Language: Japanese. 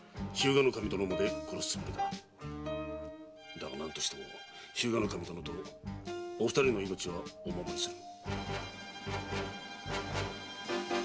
だが何としても日向守殿とお二人の命はお守りする。